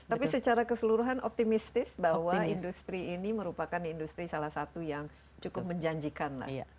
tapi secara keseluruhan optimistis bahwa industri ini merupakan industri salah satu yang cukup menjanjikan lah